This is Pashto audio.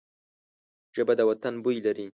ژبه د وطن بوی لري